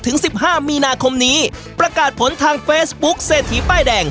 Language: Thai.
สิบห้ามีนาคมนี้ประกาศผลทางเฟซบุ๊คเศรษฐีป้ายแดง